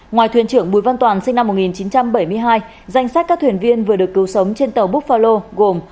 ngoài thuyền trưởng bùi văn toàn sinh năm một nghìn chín trăm bảy mươi hai danh sách các thuyền viên vừa được cứu sống trên tàu búc phao gồm